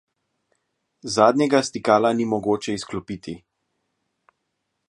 Zadnjega stikala ni mogoče izklopiti.